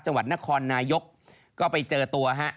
จังหวัดนครนายกก็ไปเจอตัวฮะ